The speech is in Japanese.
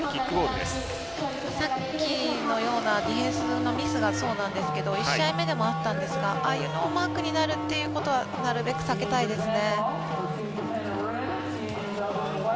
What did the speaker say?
さっきのようなディフェンのミスがそうなんですけど１試合目でもあったんですがああいうノーマークになるというのはなるべく避けたいですね。